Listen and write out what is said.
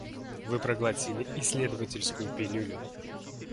Вы проглотили исследовательскую пилюлю.